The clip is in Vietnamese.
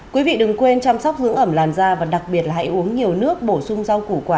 quý vị đừng quên chăm sóc dưỡng ẩm làn da và đặc biệt là hãy uống nhiều nước bổ sung rau củ quả